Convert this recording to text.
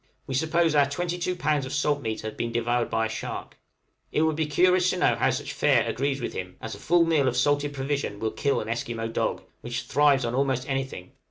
We suppose our twenty two pounds of salt meat had been devoured by a shark; it would be curious to know how such fare agrees with him, as a full meal of salted provision will kill an Esquimaux dog, which thrives on almost anything.